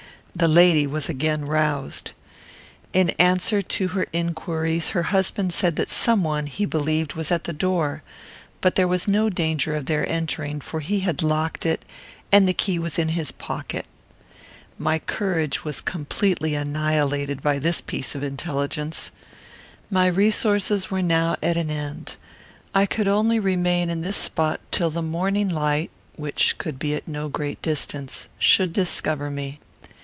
The lady was again roused. In answer to her inquiries, her husband said that some one, he believed, was at the door, but there was no danger of their entering, for he had locked it, and the key was in his pocket. My courage was completely annihilated by this piece of intelligence. My resources were now at an end. I could only remain in this spot till the morning light, which could be at no great distance, should discover me.